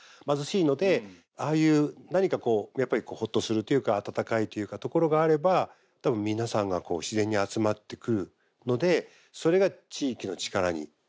貧しいのでああいう何かこうやっぱりほっとするというか温かいというか所があれば多分皆さんが自然に集まってくるのでそれが地域の力に。